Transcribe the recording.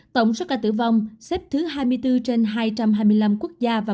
tổng số ca tử vong xếp thứ hai mươi bốn trên hai trăm hai mươi năm quốc gia và